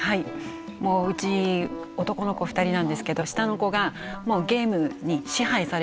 もううち男の子２人なんですけど下の子がもうゲームに支配されてるような状態なんです。